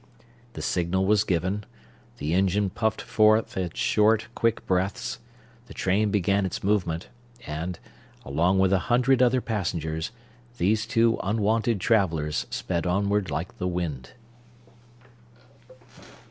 The signal was given; the engine puffed forth its short, quick breaths; the train began its movement; and, along with a hundred other passengers, these two unwonted travellers sped onward like the wind.